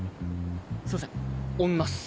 すいません女っす。